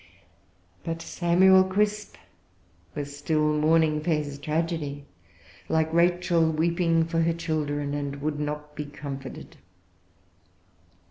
But Samuel Crisp was still mourning for his tragedy, like Rachel weeping for her children, and would not be comforted.